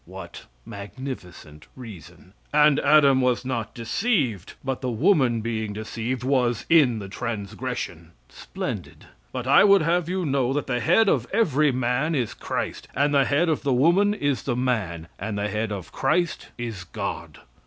[What magnificent reason!]" "And Adam was not deceived, but the woman being deceived, was in the transgression." [Splendid!] "But I would have you know that the head of every man is Christ; and the head of the woman is the man; and the head of Christ is God."